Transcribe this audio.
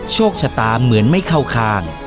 โชคชะตาเหมือนไม่เข้าข้าง